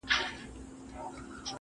که ټوله ژوند په تنهايۍ کي تېر کړم~